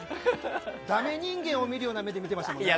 ダメ人間を見るような目で見てましたもんね。